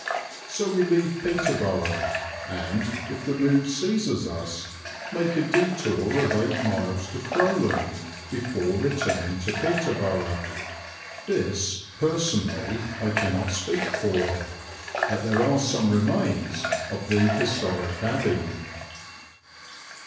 So we leave Peterborough and, if the mood seizes us, make a detour of eight miles to Crowland before returning to Peterborough. This, personally I cannot speak for; but there are some remains of the historic abbey.